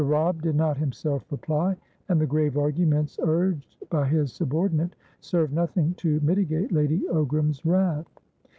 Robb did not himself reply, and the grave arguments urged by his subordinate served nothing to mitigate Lady Ogram's wrath.